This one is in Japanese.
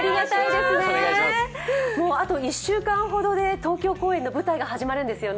あと１週間ほどで東京公演の舞台が始まるんですよね。